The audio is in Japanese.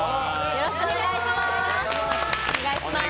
よろしくお願いします。